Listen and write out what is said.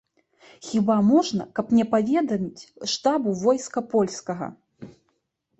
Хіба можна, каб не паведаміць штабу войска польскага!